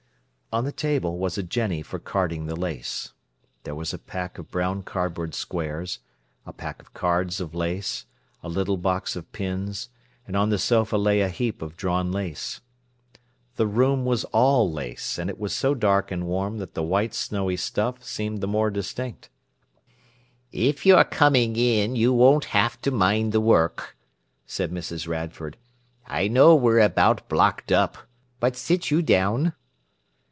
On the table was a jenny for carding the lace. There was a pack of brown cardboard squares, a pack of cards of lace, a little box of pins, and on the sofa lay a heap of drawn lace. The room was all lace, and it was so dark and warm that the white, snowy stuff seemed the more distinct. "If you're coming in you won't have to mind the work," said Mrs. Radford. "I know we're about blocked up. But sit you down."